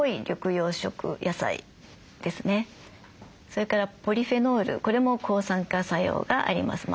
それからポリフェノールこれも抗酸化作用があります。